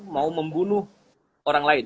mau membunuh orang lain